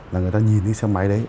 là người ta nhìn cái xe máy đấy